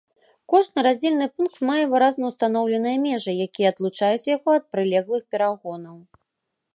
Кожны раздзельны пункт мае выразна устаноўленыя межы, якія адлучаюць яго ад прылеглых перагонаў.